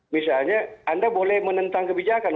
misalnya anda boleh menentang kebijakan